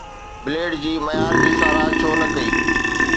Blade جي معيار جي ساراهه ڇو نه ڪئي؟